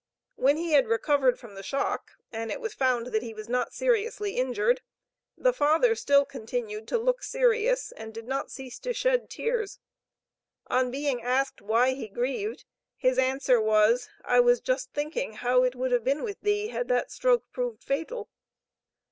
When he had recovered from the shock, and it was found that he was not seriously injured, the father still continued to look serious, and did not cease to shed tears. On being asked why he grieved, his answer was: "I was just thinking how it would have been with thee, had that stroke proved fatal."